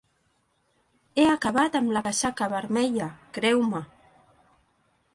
He acabat amb la casaca vermella, creu-me.